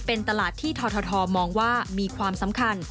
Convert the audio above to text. เป็นตลาดที่ททมองว่ามีความสำคัญ